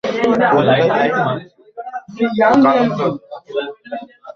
নিত্যদিন ঘানি টানার ফলে স্বামী-স্ত্রীর ঘাড়ে ঘানির গরুর মতোই কালো দাগ পড়েছে।